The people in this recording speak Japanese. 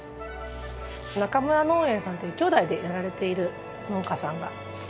中村農園さんという兄弟でやられている農家さんが作られています。